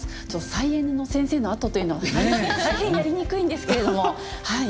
再エネの先生のあとというのは大変やりにくいんですけれどもはい。